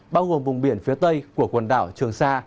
bao gồm vùng biển phía tây của quần đảo trường sa